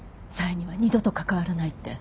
冴には二度と関わらないって。